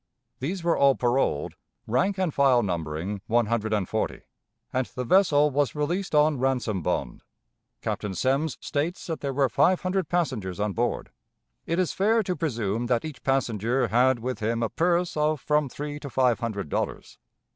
These were all paroled, rank and file numbering one hundred and forty, and the vessel was released on ransom bond. Captain Semmes states that there were five hundred passengers on board. It is fair to presume that each passenger had with him a purse of from three to five hundred dollars.